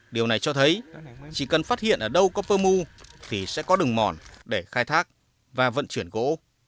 điều này cho thấy chỉ cần phát hiện ở đâu có pơ mu thì sẽ có đường mòn để khai thác và vận chuyển gỗ